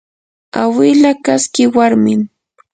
awila kaski warmim